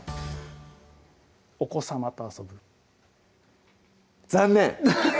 お子さまと遊ぶ残念！